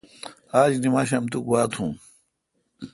آج نمشام تو گوا تھون۔